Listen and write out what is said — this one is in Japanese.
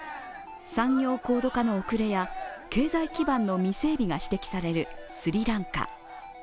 産業高度化の遅れや経済基盤の未整備が指摘されるスリランカ。